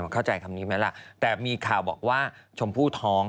เข้าใจคำนี้ไหมล่ะแต่มีข่าวบอกว่าชมพู่ท้อง